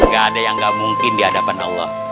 gak ada yang gak mungkin di hadapan allah